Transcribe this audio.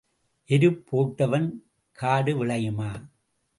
எருப் போட்டவன் காடு விளையுமா?